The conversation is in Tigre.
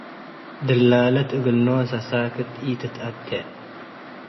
ድላለት እግል ኖሰ ሳክት ኢትትአቴ ።